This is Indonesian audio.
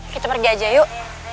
kita pergi aja yuk